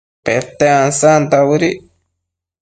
Pete ansanta bëdic